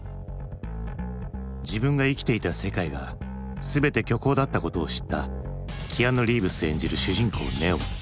自分が生きていた世界が全て虚構だったことを知ったキアヌ・リーブス演じる主人公ネオ。